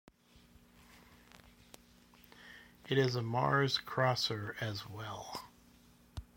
It is a Mars-crosser as well.